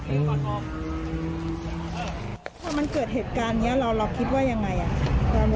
พอมันเกิดเหตุการณ์นี้เราคิดว่ายังไงอ่ะ